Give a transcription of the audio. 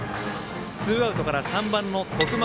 ツーアウトから３番の徳丸。